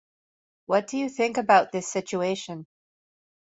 What do you think about this situation?